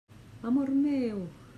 Amor meu!